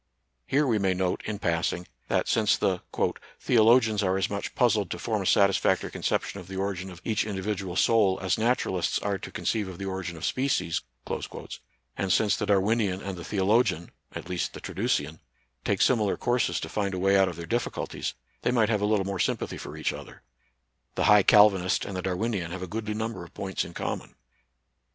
Here we may note, in passing, that since the " theologians are as much puzzled to form a satisfactory conception of the origin of each individual soul as naturalists are to con ceive of the origin of species," and since the Darwinian and the theologian (at least the Tra ducian) take similar courses to find a way out of their difficulties, they might have a little more sympathy for each other. The high Cal vinist and the Darwinian have a goodly number of points in common.